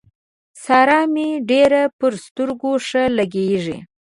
سارا مې ډېره پر سترګو ښه لګېږي.